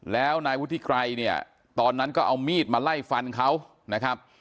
แล้วนายวุฒิไกรเนี่ยตอนนั้นก็เอามีดมาไล่ฟันเขานะครับ